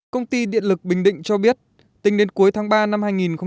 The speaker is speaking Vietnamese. công ty điện lực bình định cho biết tính đến cuối tháng ba năm hai nghìn hai mươi